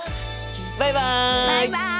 バイバイ！